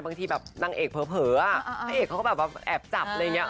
บางทีแบบนางเอกเผลอพระเอกเขาก็แบบแอบจับอะไรอย่างนี้